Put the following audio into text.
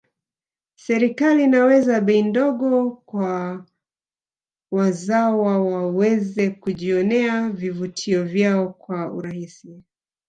serikali inaweka bei ndogo kwa wazawa waweze kujionea vivutio vyao kwa urahisi